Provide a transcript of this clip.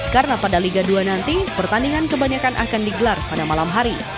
karena pada liga dua nanti pertandingan kebanyakan akan digelar pada malam hari